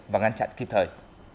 và ngăn chặn kịp thời